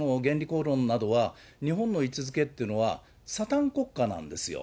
こうろんなどは、日本の位置づけっていうのは、サタン国家なんですよ。